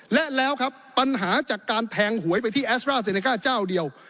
และแล้วครับปัญหาจากการแทงหวยไปที่แอสตราเซเนก้าเจ้าเดียว